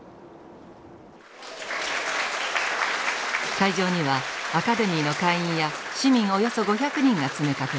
会場にはアカデミーの会員や市民およそ５００人が詰めかけました。